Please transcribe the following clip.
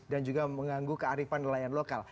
dan juga mengganggu kearifan nelayan lokal